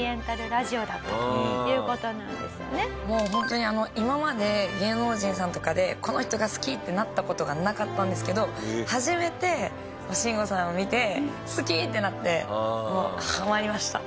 もうホントに今まで芸能人さんとかでこの人が好き！ってなった事がなかったんですけど初めて慎吾さんを見て好き！ってなってもうハマりました。